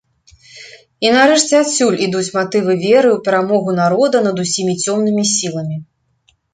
І, нарэшце, адсюль ідуць матывы веры ў перамогу народа над усімі цёмнымі сіламі.